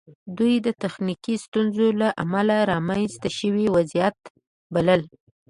دوی د تخنیکي ستونزو له امله رامنځته شوی وضعیت بلل